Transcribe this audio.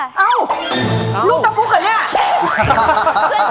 อ้าวลูกตำลุกเหรอเนี่ย